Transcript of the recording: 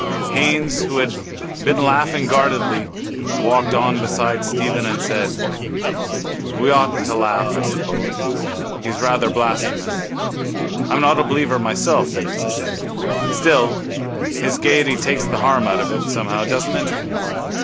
Haines, who had been laughing guardedly, walked on beside Stephen and said: —We oughtn't to laugh, I suppose. He's rather blasphemous. I'm not a believer myself, that is to say. Still his gaiety takes the harm out of it somehow, doesn't it?